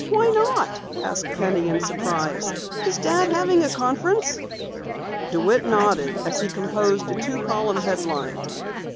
"Why not?" asked Penny in surprise. "Is Dad having a conference?" DeWitt nodded as he composed a two column headline.